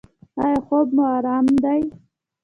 ایا خوب مو ارام دی؟